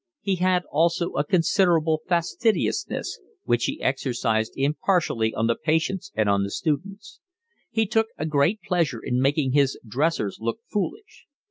He had also a considerable facetiousness, which he exercised impartially on the patients and on the students. He took a great pleasure in making his dressers look foolish.